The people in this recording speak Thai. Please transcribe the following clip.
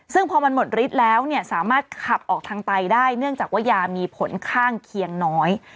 ซึ่งพอมันหมดฤทธิ์แล้วเนี่ยสามารถขับออกทางไตได้เนื่องจากว่ายามีผลข้างเคียงน้อย